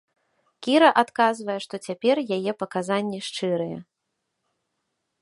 Кіра адказвае, што цяпер яе паказанні шчырыя.